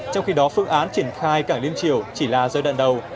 trong khi đó phương án triển khai cảng liên triều chỉ là giai đoạn đầu